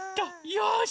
よし！